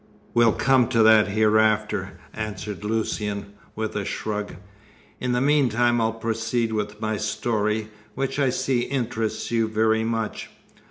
"We'll come to that hereafter," answered Lucian, with a shrug. "In the meantime I'll proceed with my story, which I see interests you very much.